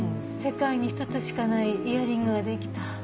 世界に一つしかないイヤリングができた。